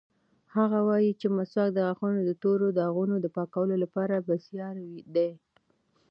هغه وایي چې مسواک د غاښونو د تورو داغونو د پاکولو لپاره بېساری دی.